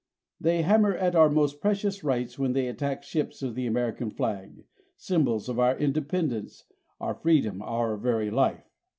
They hammer at our most precious rights when they attack ships of the American flag symbols of our independence, our freedom, our very life.